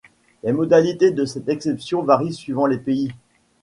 Les modalités de cette exception varient suivant les pays.